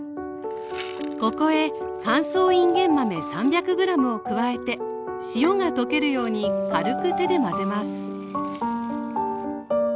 ここへ乾燥いんげん豆３００ｇを加えて塩が溶けるように軽く手で混ぜます